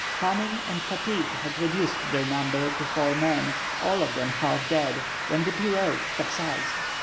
Famine and fatigue had reduced their number to four men, all of them half dead, when the pirogue capsized.